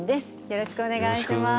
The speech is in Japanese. よろしくお願いします。